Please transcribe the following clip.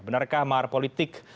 benarkah mahar politik